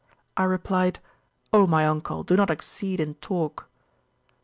I replied, O my Uncle, do not exceed in talk!